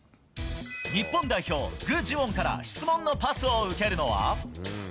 日本代表、グ・ジウォンから質問のパスを受けるのは。